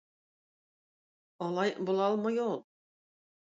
Алай була алмый ул.